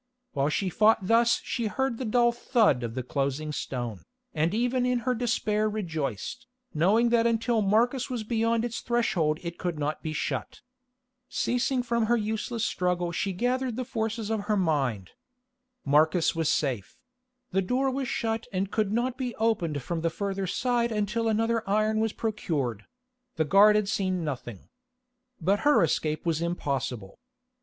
While she fought thus she heard the dull thud of the closing stone, and even in her despair rejoiced, knowing that until Marcus was beyond its threshold it could not be shut. Ceasing from her useless struggle she gathered the forces of her mind. Marcus was safe; the door was shut and could not be opened from the further side until another iron was procured; the guard had seen nothing. But her escape was impossible.